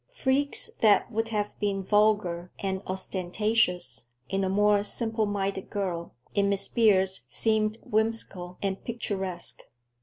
Freaks that would have been vulgar and ostentatious in a more simpleminded girl, in Miss Beers seemed whimsical and picturesque.